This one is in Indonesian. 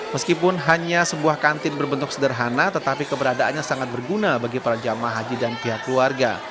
meskipun hanya sebuah kantin berbentuk sederhana tetapi keberadaannya sangat berguna bagi para jamaah haji dan pihak keluarga